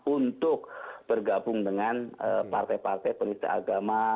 untuk bergabung dengan partai partai penista agama